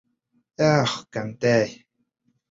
Ах, кәнтәй!